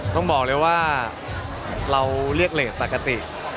ต้องบอกเลยว่าเราเรียกเลสปกติ